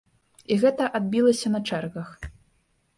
І гэта адбілася на чэргах.